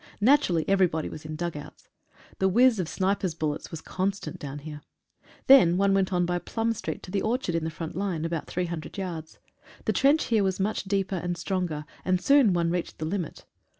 Naturally everybody was in dug outs. The whizz of snipers' bul lets was constant down here. Then one went on by Plum street to the orchard in the front line, about 300 yards. The trench ihere was much 'deepeir and stronger, and soon one reached the limit.